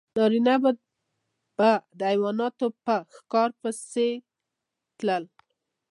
نارینه به د حیواناتو په ښکار پسې تلل.